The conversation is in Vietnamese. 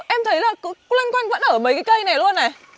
em thấy là loan quanh vẫn ở mấy cái cây này luôn này